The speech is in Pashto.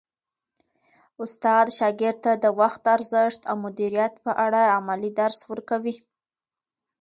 استاد شاګرد ته د وخت د ارزښت او مدیریت په اړه عملي درس ورکوي.